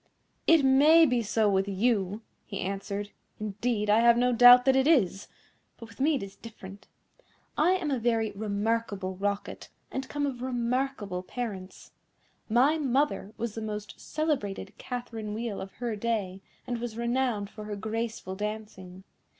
"It may be so with you," he answered; "indeed, I have no doubt that it is, but with me it is different. I am a very remarkable Rocket, and come of remarkable parents. My mother was the most celebrated Catherine Wheel of her day, and was renowned for her graceful dancing.